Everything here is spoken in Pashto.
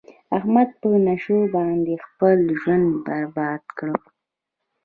احمد په نشو باندې خپل ژوند برباد کړ.